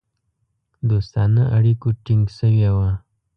دوستانه اړیکو ټینګ سوي وه.